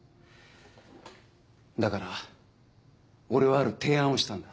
だから俺はある提案をしたんだ。